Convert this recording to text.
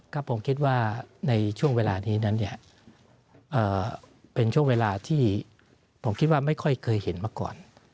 ก็ผมคิดว่าในช่วงเวลานี้นั้นเนี่ยเป็นช่วงเวลาที่ผมคิดว่าไม่ค่อยเคยเห็นมาก่อน